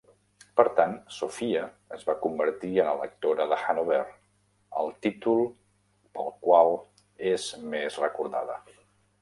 Per tant, Sophia es va convertir en electora de Hannover, el títol pel qual és més recordada.